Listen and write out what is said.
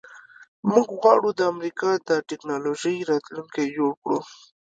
موږ غواړو د امریکا د ټیکنالوژۍ راتلونکی جوړ کړو